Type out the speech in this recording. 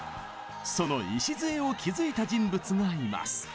その礎を築いた人物がいます。